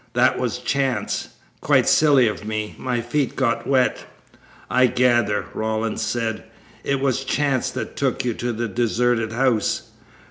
That was chance. Quite silly of me. My feet got wet." "I gather," Rawlins said, "it was chance that took you to the deserted house."